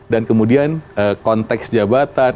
dan kemudian konteks jabatan